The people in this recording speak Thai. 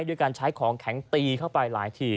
ด้วยการใช้ของแข็งตีเข้าไปหลายที